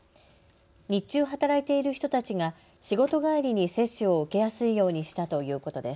日中、働いている人たちが仕事帰りに接種を受けやすいようにしたということです。